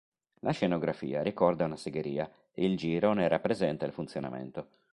La scenografia ricorda una segheria e il giro ne rappresenta il funzionamento.